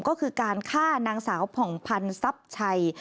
ก็คือการฆ่านางสาวผ่องพันธ์ทรัพย์ชัย